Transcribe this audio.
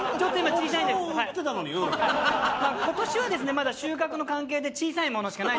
Ｇ呂任垢まだ収穫の関係で小さいものしかない。